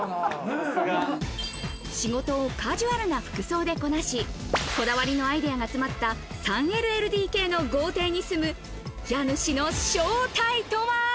仕事をカジュアルな服装でこなし、こだわりが詰まった、３ＬＬＤＫの豪邸に住む家主の正体とは？